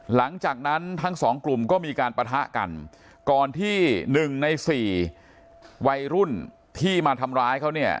หลังจากนั้นทั้งสองกลุ่มก็มีการปะทะกันก่อนที่หนึ่งในสี่วัยรุ่นที่มาทำร้ายเขาเนี่ย